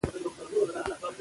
د خلکو باور ساتل ګران دي